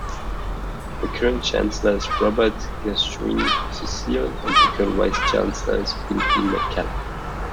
The current chancellor is Robert Gascoyne-Cecil and the current vice-chancellor is Quintin McKellar.